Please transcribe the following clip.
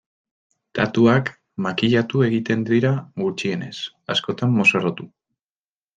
Datuak makillatu egiten dira gutxienez, askotan mozorrotu.